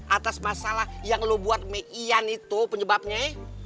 atas masalah yang lo buat mian itu penyebabnya